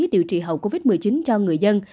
điều trị hậu covid một mươi chín cho người dân